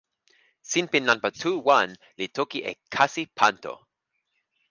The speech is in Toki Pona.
sinpin nanpa tu wan li toki e "kasi Panto".